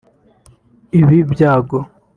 Ibi byago